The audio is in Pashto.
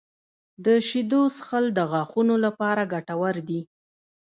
• د شیدو څښل د غاښونو لپاره ګټور دي.